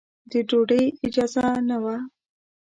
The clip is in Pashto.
د ډوډۍ اجازه نه وه.